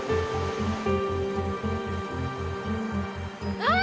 あっ！